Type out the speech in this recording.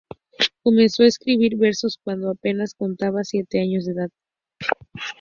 Comenzó a escribir versos cuando apenas contaba siete años de edad.